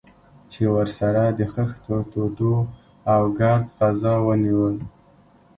چې ورسره د خښتو ټوټو او ګرد فضا ونیول.